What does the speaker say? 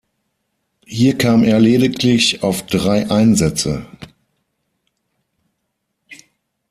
Hier kam er lediglich auf drei Einsätze.